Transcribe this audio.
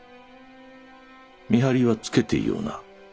見張りはつけていような？